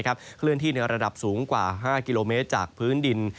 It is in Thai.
เคลื่อนที่ในระดับสูงกว่า๕กิโลเมตรจากพื้นดิน